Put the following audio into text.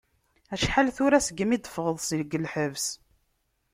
Acḥal tura segmi d-teffɣeḍ seg lḥebs?